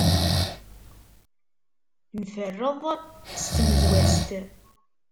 Nferreḍ s tmedwazt.